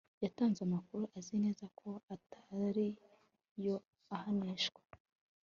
yatanze amakuru azi neza ko atari yo ahanishwa